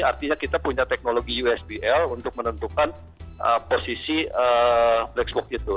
artinya kita punya teknologi usbl untuk menentukan posisi black box itu